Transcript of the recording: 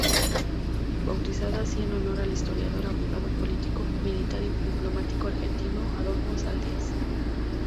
Bautizada así en honor al historiador, abogado, político, militar y diplomático argentino Adolfo Saldías.